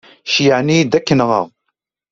Ceyyɛen-iyi-d ad k-nɣeɣ.